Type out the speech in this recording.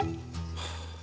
はあ。